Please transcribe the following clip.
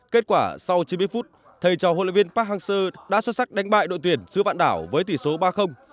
kết quả sau chín mươi phút thầy trò huấn luyện viên park hang seo đã xuất sắc đánh bại đội tuyển giữa vạn đảo với tỷ số ba